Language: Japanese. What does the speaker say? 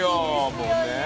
もうねえ。